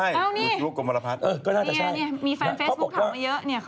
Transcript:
เอ้านี่มีแฟนเฟสพูดของเขามาเยอะเขากินเลขด้วย